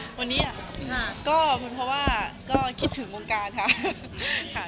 วันนี้ก็เป็นเพราะว่าก็คิดถึงวงการค่ะ